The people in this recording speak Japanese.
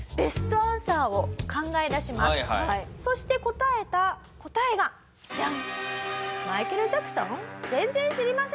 そして答えた答えがジャン！